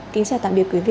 kính chào tạm biệt quý vị